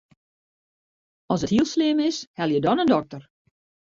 As it hiel slim is, helje dan in dokter.